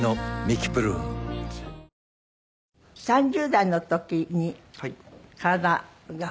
３０代の時に体が。